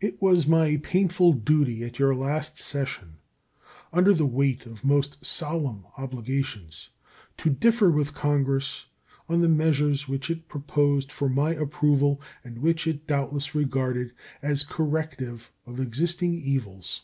It was my painful duty at your last session, under the weight of most solemn obligations, to differ with Congress on the measures which it proposed for my approval, and which it doubtless regarded as corrective of existing evils.